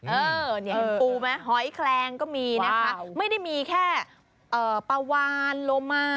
เห็นปูไหมหอยแคลงก็มีนะคะไม่ได้มีแค่ปลาวานโลมา